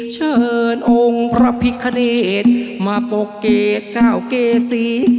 เชิญองค์พระพิคเนตมาปกเกตเก้าเกษี